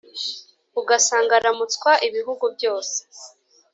Ugasanga aramutswa ibihugu byose,